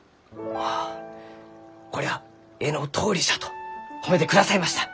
あこりゃあ絵のとおりじゃ」と褒めてくださいました！